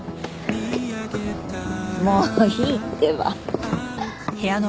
もういいってば。